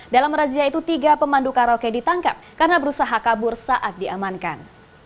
dalam razia itu tiga pemandu karaoke ditangkap karena berusaha kabur saat diamankan